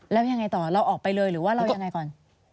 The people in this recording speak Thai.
แล้วยังไงต่อเราออกไปเลยหรือว่าเรายังไงก่อน